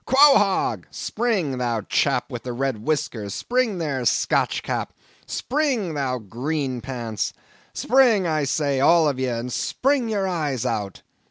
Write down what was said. Quohog! spring, thou chap with the red whiskers; spring there, Scotch cap; spring, thou green pants. Spring, I say, all of ye, and spring your eyes out!"